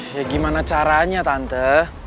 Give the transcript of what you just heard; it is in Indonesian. ya gimana caranya tante